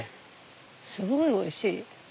すごいおいしい。